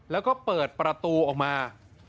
แล้วก็เปิดประตูออกมา